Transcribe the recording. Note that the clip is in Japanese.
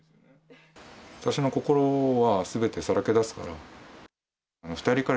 私の心はすべてさらけ出すから。